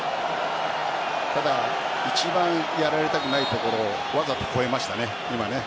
ただ、一番やられたくないところわざと越えましたね。